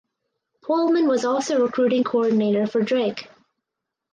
Pohlman was also recruiting coordinator for Drake.